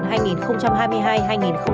đây là các kết quả